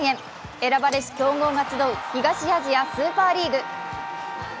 選ばれし強豪が集う東アジアスーパーリーグ。